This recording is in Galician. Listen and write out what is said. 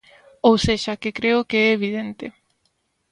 Ou sexa que creo que é evidente.